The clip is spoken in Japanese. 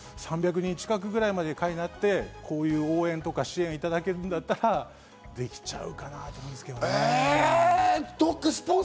あと３００人近くぐらいまでの会になって、こういう応援や支援をいただけるんだったら、できちゃうかなぁと思いますけどね。